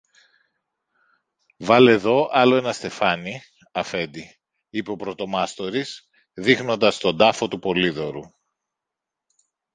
Βάλε δω άλλο ένα στεφάνι, Αφέντη, είπε ο πρωτομάστορης, δείχνοντας τον τάφο του Πολύδωρου.